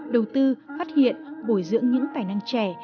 đầu tư phát hiện bồi dưỡng những tài năng trẻ